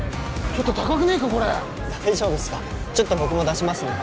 ちょっと僕も出しますね。